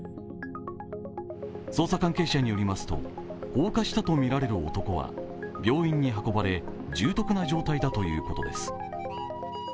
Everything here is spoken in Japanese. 捜査関係者によりますと放火したとみられる男は病院に運ばれ、重篤な状態だということです。